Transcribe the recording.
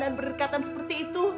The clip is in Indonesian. dan berdekatan seperti itu